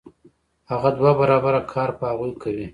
هغه دوه برابره کار په هغوی کوي